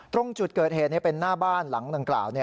ตรงจุดเกิดเหตุเป็นหน้าบ้านหลังดังกล่าว